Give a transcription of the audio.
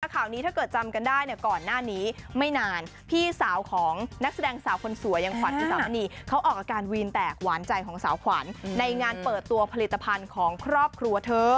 ข่าวนี้ถ้าเกิดจำกันได้เนี่ยก่อนหน้านี้ไม่นานพี่สาวของนักแสดงสาวคนสวยอย่างขวัญอุสามณีเขาออกอาการวีนแตกหวานใจของสาวขวัญในงานเปิดตัวผลิตภัณฑ์ของครอบครัวเธอ